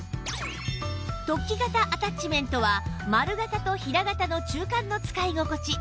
突起型アタッチメントは丸型と平型の中間の使い心地